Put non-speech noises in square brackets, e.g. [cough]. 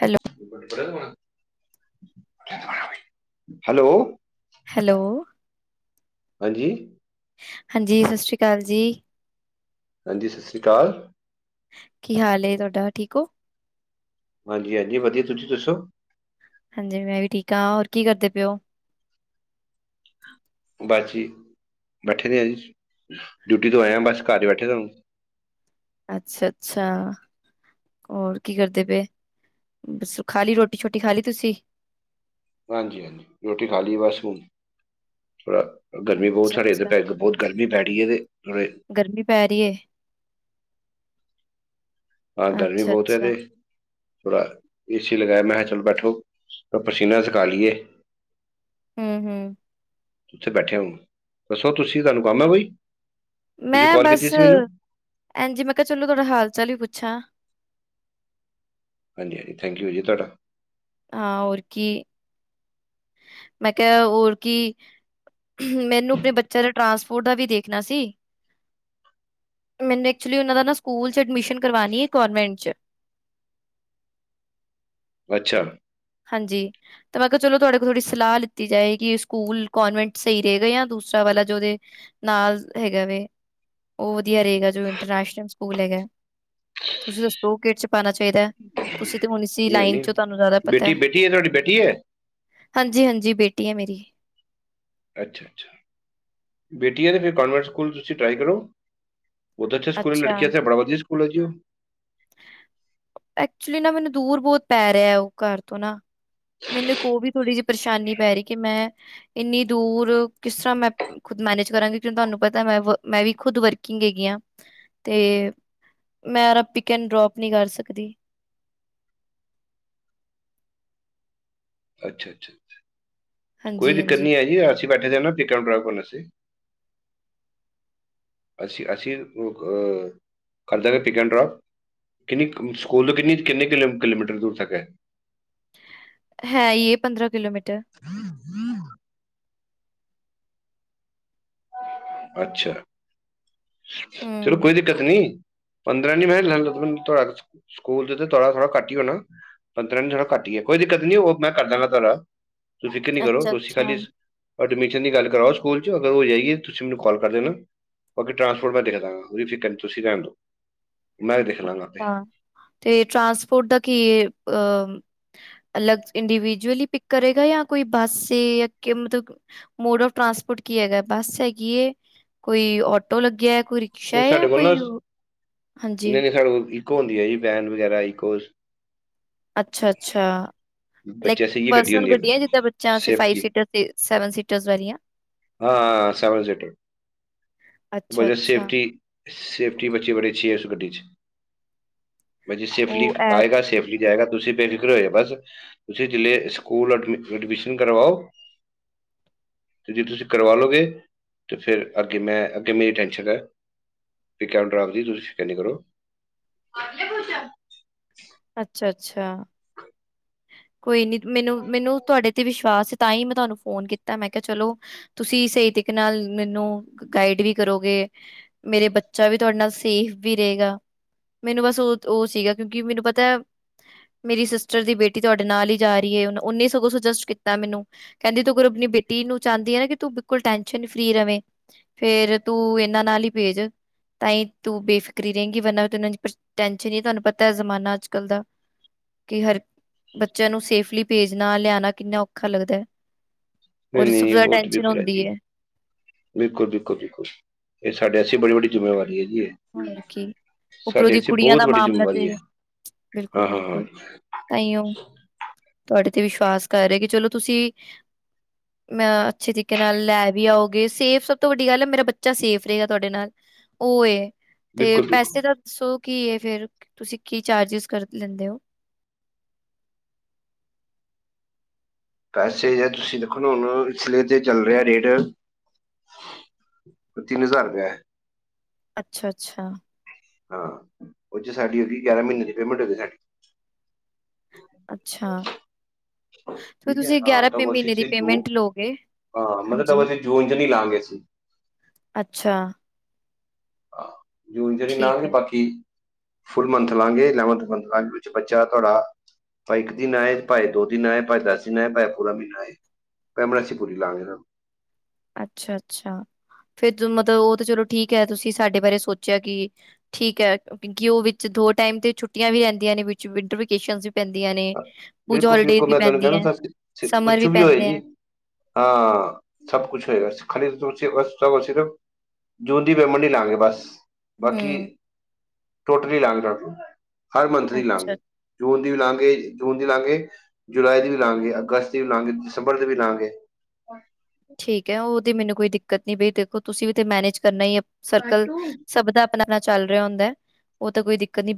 Hello, hello. ਹਾਂਜੀ। ਹਾਂਜੀ ਸਤਿ ਸ਼੍ਰੀ ਅਕਾਲ ਜੀ। ਹਾਂਜੀ, ਸਤਿ ਸ਼੍ਰੀ ਅਕਾਲ। ਕੀ ਹਾਲ ਏ ਤੁਹਾਡਾ ਠੀਕ ਹੋ? ਹਾਂਜੀ ਹਾਂਜੀ ਵਧੀਆ। ਤੁਸੀਂ ਦੱਸੋ? ਹਾਂਜੀ ਮੈਂ ਵੀ ਠੀਕ ਹਾਂ। ਹੋਰ ਕੀ ਕਰਦੇ ਪਏ ਹੋ? ਬਸ ਜੀ ਬੈਠੇ ਦੇ ਆ ਜੀ, ਡਿਊਟੀ ਤੋਂ ਆਇਆ ਬਸ ਘਰ ਹੀ ਬੈਠੇ ਹੁਣ‌। ਅੱਛਾ -ਅੱਛਾ। ਹੋਰ ਕੀ ਕਰਦੇ ਪਏ? ਬਸ ਖਾ ਲਈ ਰੋਟੀ ਸ਼ੋਟੀ ਖਾ ਲਈ ਤੁਸੀਂ? ਹਾਂਜੀ -ਹਾਂਜੀ ਰੋਟੀ ਖਾ ਲਈ ਬਸ ਹੁਣ ਥੋੜਾ ਗਰਮੀ ਬਹੁਤ ਅੱਛਾ ਸਾਡੇ ਅੱਛਾ ਇੱਧਰ ਬਹੁਤ ਗਰਮੀ ਪੈ ਰਹੀ ਹੈ। ਤੇੇ ਗਰਮੀ ਪੈ ਰਹੀ ਹੈ। ਹਾਂ ਗਰਮੀ ਅੱਛਾ ਬਹੁਤ ਹੈ ਅੱਛਾ ਤੇ। ਥੋੜਾ ਏਸੀ ਲਗਾਇਆ, ਮੈਂ ਕਿਹਾ ਚਲੋ ਬੈਠੋ ਪਸੀਨਾ ਸੁਖਾ ਲਈਏ। ਹਮ -ਹਮ। ਉੱਥੇ ਬੈਠੇ ਹੋ, ਦੱਸੋ ਤੁਸੀਂ ਤੁਹਾਨੂੰ ਕੰਮ ਹੈ ਕੋਈ? ਤੁਸੀਂ ਮੈਂ ਕਾਲ ਕੀਤੀ ਬਸ ਸੀ ਮੈਨੂੰ ਐਜੀ ਮੈਂ ਕਿਹਾ ਚਲੋ ਥੋੜਾ ਹਾਲ ਚਾਲ ਹੀ ਪੁੱਛਾਂ। ਹਾਂਜੀ -ਹਾਂਜੀ ਥੈਕੂ ਯੂ ਜੀ ਤੁਹਾਡਾ। ਹਾਂ ਹੋਰ ਕੀ। ਮੈਂ ਕੇਆ ਹੋਰ ਕੀ‌? ਮੈਨੂੰ ਅਪਨੇ ਬੱਚੇਆਂ ਦੇ ਟਰਾਂਸਪੋਰਟ ਦਾ ਵੀ ਦੇਖਣਾ ਸੀ। ਮੈਨੂੰ ਐਕਚੁਲੀ ਓਨਾਂ ਦਾ ਨਾ ਸਕੂਲ ਚ ਐਡਮਿਸ਼ਨ ਕਰਵਾਣੀ ਏ ਕੌਨਵੈਂਟ ਚ। ਅੱਛਾ। ਹਾਂਜੀ। ਤੇ ਮੈਂ ਕੇਆ ਚਲੋ ਤੁਆਡੇ ਕੋਲ ਥੋੜੀ ਸਲਾ ਲਿੱਤੀ ਜਾਏ ਕਿ ਸਕੂਲ ਕੌਨਵੈਂਟ ਸਈ ਰਏਗਾ ਜਾਂ ਦੂਸਰਾ ਵਾਲਾ ਜੋਦੇ ਨਾਲ ਹੈਗਾ ਵੇ, ਓ ਵਧੀਆ ਰਏਗਾ ਜੋ ਇੰਟਰਨੈਸ਼ਨਲ ਸਕੂਲ ਹੈਗਾ। ਤੁਸੀਂ ਦੱਸੋ ਕਿਦੇ ਚ ਪਾਨਾ ਚਾਈਦੈ, ਤੁਸੀਂ ਤੇ ਹੁਣ ਇਸ ਨਹੀਂ ਲਾਈਨ ਨਹੀਂ ਚੋਂ ਤਾਨੂੰ ਜਾਦਾ ਪਤੈ ਬੇਟੀ ਬੇਟੀ ਹੈ ਤੁਹਾਡੀ ਬੇਟੀ ਹੈ ਹੰਜੀ-ਹੰਜੀ, ਬੇਟੀ ਐ ਮੇਰੀ। ਅੱਛਾ-ਅੱਛਾ, ਬੇਟੀ ਐ ਤੇ ਫੇਰ ਕਨਵੈਂਟ ਸਕੂਲ ਤੁਸੀ ਟਰਾਈ ਕਰੋ। ਉਤੇ ਅੱਛੇ ਸਕੂਲ ਅੱਛਾ ਲੜਕੀਆਂ ਆਸਤੇ ਬੜਾ ਵਦੀਆ ਸਕੂਲ ਐਜੀ। ਐਕਚੁਲੀ ਨਾ ਮੈਨੂੰ ਦੂਰ ਬੋਤ ਪੈ ਰੇਆ ਓ ਘਰ ਤੋਂ ਨਾ। ਮੈਨੂੰ ਕੋ ਵੀ ਥੋੜ੍ਹੀ ਜੇਈ ਪਰੇਸ਼ਾਨੀ ਪੈ ਰੀ ਕਿ ਮੈਂ ਇੰਨੀ ਦੂਰ ਕਿਸ ਤਰ੍ਹਾਂ ਮੈਂ ਖੁਦ ਮੈਨੇਜ ਕਰਾਂਗੀ ਕਿ ਤੁਆਨੂੰ ਪਤਾ ਮੈਂ ਮੈਂ ਵੀ ਖੁਦ ਵਰਕਿੰਗ ਹੈਗੀ ਆ ਤੇ ਮੈਂ ਯਾਰ ਪਿਕ ਐਂਡ ਡਰੋਪ ਨੀਂ ਕਰ ਸਕਦੀ। ਅੱਛਾ-ਅੱਛਾ, ਕੋਈ ਹਾਂਜੀ ਦਿੱਕਤ ਹਾਂਜੀ ਨੀ ਐਜੀ ਅਸੀਂ ਬੈਠੇ ਨਾ ਪਿੱਕ ਐਂਡ ਡ੍ਰੌਪ ਕਰਨ ਆਸਤੇ। ਅਸੀ ਅਸੀ ਅ ਕਰ ਦਾਂਗੇ ਪਿੱਕ ਐਂਡ ਡਰੋਪ। ਕਿੰਨੀ ਕੋ ਸਕੂਲ ਤੋਂ ਕਿਨੀ ਕਿੰਨੇ ਕਿਲੋਮੀਟਰ ਦੂਰ ਤੱਕ ਹੈਗਾ। ਹੈਈਏ ਪੰਦਰਾਂ ਕਿਲੋਮੀਟਰ। [unintelligible] ਅੱਛਾ, ਚਲੋ ਹੂੰ ਕੋਈ ਦੀ ਕੱਤ ਨੀ ਪੰਦਰਾਂ ਨੀ ਮੈਂ ਕਕੇਆ ਸਕੂਲ ਤੇ ਥੋੜਾ ਥੋੜਾ ਕੱਟ ਈ ਹੋਣਾ। ਪੰਦਰਾਂ ਨੀਂ ਥੋੜਾ ਘੱਟ ਈਆਂ, ਕੋਈ ਦਿੱਕਤ ਨੀ ਓ ਮੈਂ ਕਰ ਦਾਂਗਾ ਤੋਆਡਾ। ਫਿਕਰ ਨੀਂ ਕਰੋ ਅੱਛਾ ਤੁਸੀ ਅੱਛਾ ਖਾਲੀ ਐਡਮਿਸ਼ਨ ਦੀ ਗੱਲ ਕਰਾਓ ਸਕੂਲ ਚ, ਅਗਰ ਹੋ ਜਾਈਏ ਤੁਸੀਂ ਮੈਨੂੰ ਕਾਲ ਕਰਦੇ ਨਾ ਬਾਕੀ ਟਰਾਂਸਪੋਰਟ ਮੈਂ ਦੇਖਦਾ ਕੋਈ ਫਿਕਰ ਨੀਂ ਤੁਸੀਂ ਰੈਂਣ ਦੋ ਮੈਂ ਲਾਂਗਾ ਆਪੇ ਆਂ ਤੇ ਟਰਾਂਸਪੋਰਟ ਦਾ ਕੀਏ ਅਹ ਅਲੱਗ ਇੰਡੀਵਿਜੂਅਲੀ ਪਿੱਕ ਕਰੇਗਾ ਜਾਂ ਕੋਈ ਬੱਸ ਏ ਜਾਂ ਮਤਲਬ ਮੋਡ ਆਫ ਟਰਾਂਸਪੋਰਟ ਕੀ ਹੈਗਾ, ਬੱਸ ਹੈਗੀ, ਕੋਈ ਆਟੋ ਲੱਗਿਆ, ਕੋਈ ਰਿਕਸ਼ਾ ਨਈਂ ਹੈ ਸਾਡੇ ਜਾਂ ਕੋਲ ਨਾ ਕੋਈ ਹਾਂਜੀ ਨਈਂ-ਨਈਂ ਸਾਡੇ ਕੋਲ ਇਕੋਜ਼ ਹੁੰਦੀ ਐ ਜੀ ਵੈਨ ਵਗੈਰਾ ਇਕੋਜ਼। ਅੱਛਾ-ਅੱਛਾ ਲਾਈਕ ਬੱਚੇ ਸੀ ਇਹ ਗੱਡੀ ਪਰਸਨਲ ਹੁੰਦੀ ਹੈ ਫਿਰ ਗੱਡੀਐ ਜਿੱਦਾਂ ਬੱਚਾ ਅਸੀਂ ਫਾਈਵ ਸੇਫਟੀ ਸੀਟਰ ਸੈਵਨ ਸ ਸੀਟਰਸ ਵਾਲੀਆਂ। ਹਾਂ ਸੇਵਨ ਸੀਟਰ, ਅੱਛਾ ਬਜਟ ਅੱਛਾ ਸੇਫਟੀ ਸੇਫਟੀ ਬੱਚੀ ਬੜੀ ਅੱਛੀ ਐ ਉਸ ਗੱਡੀ ਚ ਬੱਚਾ ਸੇਫਲੀ ਉਹ ਐ ਆਏਗਾ ਸੇਫਲੀ ਜਾਏਗਾ ਤੁਸੀਂ ਬੇਫਿਕਰ ਹੋਏ ਹੋਕੇ ਬਸ ਤੁਸੀ ਜੇ ਸਕੂਲ ਐਡਮਿਸ਼ਨ ਕਰਵਾਓ। ਜੇ ਤੁਸੀਂ ਕਰਵਾ ਲੋਗੇ ਤਾਂ ਫੇਰ ਅੱਗੇ ਮੈਂ ਅੱਗੇ ਮੇਰੀ ਟੈਂਸ਼ਨ ਐ। ਪਿੱਕ ਐਂਡ ਡ੍ਰੌਪ ਦੀ ਤੁਸੀਂ ਫਿਕਰ ਨੀਂ ਕਰੋ। ਅੱਛਾ-ਅੱਛਾ। ਕੋਈ ਨੀ ਮੈਨੂੰ ਮੈਨੂੰ ਤੁਆਡੇ ਤੇ ਵਿਸ਼ਵਾਸ ਸੀ ਤਾਂਈਂ ਮੈਂ ਤੁਆਨੂੰ ਫੋਨ ਕੀਤਾ ਮੈਂ ਕੇਆ ਚਲੋ ਤੁਸੀ ਸਈ ਤਰੀਕੇ ਨਾਲ ਮੈਨੂੰ ਗਾਈਡ ਵੀ ਕਰੋਗੇ। ਮੇਰੇ ਬੱਚਾ ਵੀ ਤੁਆਡੇ ਨਾਲ ਸੇਫ ਵੀ ਰਏਗਾ। ਮੈਨੂੰ ਬਸ ਓ ਓ ਸੀਗਾ, ਕਿਉਂਕਿ ਮੈਨੂੰ ਪਤੈ ਮੇਰੀ ਸਿਸਟਰ ਦੀ ਬੇਟੀ ਕੀ ਤੁਆਡੇ ਨਾਲ ਈ ਜਾ ਰਿਐ, ਓਨੀ ਈ ਸਗੋਂ ਸੁਜੈਸਟ ਕੀਤਾ ਮੈਨੂੰ। ਕੈਂਦੀ ਤੂੰ ਅਗਰ ਅਪਨੀ ਬੇਟੀ ਨੂੰ ਚਾਂਦੀ ਏਨਾ ਕਿ ਤੂੰ ਬਿਲਕੁਲ ਟੈਨਸ਼ਨ ਫ੍ਰੀ ਰਵੇਂ ਫੇਰ ਤੂੰ ਏਨਾਂ ਨਾਲ ਈ ਪੇਜ। ਤਾਈਂ ਤੂੰ ਬੇਫਿਕਰੀ ਰਏਗੀ ਵਰਨਾ ਤ ਟੈਨਸ਼ਨ ਈਏ ਤੁਆਨੂੰ ਪਤੈ ਜਮਾਨਾ ਅੱਜ-ਕੱਲ ਦਾ। ਕੀ ਹਰ ਬੱਚੇਆਂ ਨੂੰ ਸੇਫਲੀ ਭੇਜਨਾ ਲਿਆਨਾ ਕਿੰਨਾ ਔਖਾ ਲੱਗਦਾ। ਨਹੀਂ ਔਰ ਇਸ ਤੋਂ ਵੀ ਨਹੀਂ ਜਾਦਾ ਟੈਨਸ਼ਨ ਹੁੰਦੀ ਐ। ਬਿਲਕੁਲ-ਬਿਲਕੁਲ-ਬਿਲਕੁਲ ਏ ਸਾਡੇ ਅਸੀ ਬੜੀ ਵੱਡੀ ਜ਼ਿੰਮੇਵਾਰੀ ਐ ਜੀ ਏ। ਹੋਰ ਕੀ, ਉਪਰੋਂ ਦੀ ਕੁੜੀਆਂ ਦਾ ਵੱਡੀ ਮਾਮਲਾ ਤੇ ਜ਼ਿੰਮੇਵਾਰੀ ਹੈ ਹਾਂ ਹਾਂ ਹਾਂ ਬਿਲਕੁਲ-ਬਿਲਕੁਲ। ਤਾਈਓਂ, ਤੁਆਡੇ ਤੇ ਵਿਸ਼ਵਾਸ ਕਰ ਰਏ ਆਂ ਕੀ ਚਲੋ ਤੁਸੀਂ ਮੈਂ ਅੱਛੇ ਤਰੀਕੇ ਨਾਲ ਲੈ ਵੀ ਆਓਗੇ ਸੇਫ ਸਬ ਤੋਂ ਵੱਡੀ ਗੱਲ ਐ ਮੇਰਾ ਬੱਚਾ ਸੇਫ ਰਏਗਾ ਤੁਆਡੇ ਨਾਲ। ਓ ਏ, ਤੇ ਬਿਲਕੁਲ ਬਿਲਕੁਲ ਪੈਸੇ ਤਾਂ ਦੱਸੋ ਕੀ ਏ ਫੇਰ ਤੁਸੀਂ ਕੀ ਚਾਰਜਿਸ ਕਰ ਲੈਂਦੇ ਓ। ਪੈਸੇ ਜੇ ਤੁਸੀਂ ਦੇਖੋ ਨਾ ਹੁਨ ਇਸਲੇ ਤੇ ਚੱਲ ਰਿਆ ਰੇਟ ਤਿੰਨ ਹਜ਼ਾਰ ਰੁਪਏਆ। ਅੱਛਾ-ਅੱਛਾ। ਹਾਂ, ਓ ਚ ਸਾਡੀ ਹੋਗੀ ਗਿਆਰਾਂ ਮੀਨੇ ਦੀ ਪੇਮੈਂਟ ਹੋਗੀ ਸਾਡੀ। ਅੱਛਾ, ਤੇ ਫਿਰ ਠੀਕ ਹੈ ਤੁਸੀਂ ਹਾਂ ਗਿਆਰਾਂ ਤਾਂ ਰੁਪਏ ਮੀਨੇ ਕੋਸ਼ਿਸ਼ ਦੀ ਤੇ ਜੋ ਪੇਮੈਂਟ ਲਓਗੇ। ਹਾਂ, ਮਤਲਬ ਤਾਂ ਹਾਂਜੀ ਅਸੀਂ ਜੂਨ ਚ ਨੀ ਲਾਂਗੇ ਅਸੀ। ਅੱਛਾ। ਹਾਂ, ਜੂਨ ਚ ਨੀ ਨਾ ਠੀਕ ਗਏ ਹੈ ਬਾਕੀ ਫੁੱਲ ਮੰਥ ਲਾਂਗੇ ਇਲੈਵੰਥ ਮੰਥ ਲਾਗੇ ਬੱਚਾ ਤੁਆਡਾ ਭਾਏ ਇੱਕ ਦਿਨ ਆਏ ਭਾਏ ਦੋ ਦਿਨ ਆਏ ਭਾਏ ਦਸ ਦਿਨ ਆਏ ਭਾਏ ਪੂਰਾ ਮਹੀਨਾ ਆਏ ਪੈਮੇਂਟ ਅਸੀਂ ਪੂਰੀ ਲਾਂਗੇ ਓਨਾਂ ਤੋਂ। ਅੱਛਾ-ਅੱਛਾ ਫੇਰ ਮਤਲਬ ਓ ਤਾਂ ਚਲੋ ਠੀਕ ਐ ਤੁਸੀਂ ਸਾਡੇ ਬਾਰੇ ਸੋਚੇਆ ਕੀ ਠੀਕ ਐ ਕਿਓਂ ਵਿਚ ਓ ਦੋ ਟੈਮ ਤੇ ਛੁੱਟੀਆਂ ਵੀ ਰੈਂਦੀਆਂ ਨੇ ਵਿੱਚ ਵਿੰਟਰ ਵਕੇਸ਼ਨਜ ਪੈਂਦੀਆਂ ਨੇ ਪੂਜਾ ਹੋਲੀਡੇ ਬਿਲਕੁਲ-ਬਿਲਕੁਲ ਵੀ ਮੈਂ ਤੁਹਾਨੂੰ ਪੈਂਦੀਆਂ, ਕਹਿਣਾ ਸਮਰ ਕੁਛ ਵੀ ਹੋਏ ਪੈਂਦੇ ਐ। ਜੀ ਹਾਂ ਸਬ ਕੁਛ ਹੋਏਗਾ [unintelligible] ਤਾਂ ਸੋਚੀਏ ਬਸ ਸਿਰਫ ਜੂਨ ਦੀ ਪੇਮੈਂਟ ਨਈਂ ਲਆਂਗੇ ਬਸ। ਬਾਕੀ ਹਮ ਟੋਟਲੀ ਲਆਂਗੇ, ਹਰ ਮੰਥ ਦੀ ਲਆਂਗੇ। ਅੱਛਾ ਜੂਨ ਦੀ ਵੀ ਲਾਂਗੇ ਜੂਨ ਦੀ ਲਾਂਗੇ ਜੁਲਾਈ ਦੀ ਵੀ ਲਾਂਗੇ ਅਗਸਤ ਦੀ ਵੀ ਲਾਂਗੇ ਦਸੰਬਰ ਦੀ ਵੀ ਲਾਂਗੇ। ਠੀਕ ਐ ਓਦੀ ਮੈਨੂੰ ਕੋਈ ਦਿੱਕਤ ਨੀ ਬਈ ਦੇਖੋ ਤੁਸੀਂ ਵੀ ਤੇ ਮੈਨੇਜ ਕਰਨਾ ਈ ਸਰਕਲ ਕਾਟੂ ਸਬ ਦਾ ਆਪਨਾ-ਆਪਨਾ ਚੱਲ ਰਿਆ ਹੁੰਦਾ, ਓ ਤਾਂ ਕੋਈ ਦਿੱਕਤ ਨੀ।